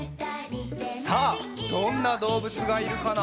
さあどんなどうぶつがいるかな？